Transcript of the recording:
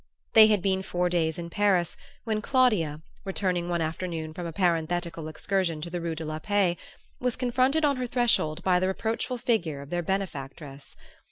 They had been four days in Paris when Claudia, returning one afternoon from a parenthetical excursion to the Rue de la Paix, was confronted on her threshold by the reproachful figure of their benefactress.